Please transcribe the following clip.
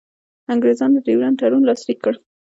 انګرېزانو د ډیورنډ تړون لاسلیک کړ.